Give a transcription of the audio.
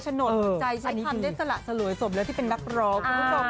ฉโนธหัวใจใช้คำได้สระสลวยส่วนเบื้อที่เป็นนักรอง